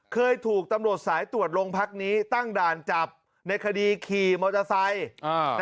เคยถูกตำรวจสายตรวจโรงพักนี้ตั้งด่านจับในคดีขี่มอเตอร์ไซค์